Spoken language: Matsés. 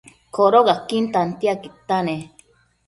Codocaquin tantiaquidta nec